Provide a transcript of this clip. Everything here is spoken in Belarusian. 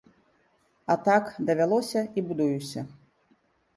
А так, давялося, і будуюся.